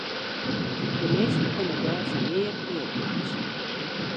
De minsken kinne dêr fan neat eat meitsje.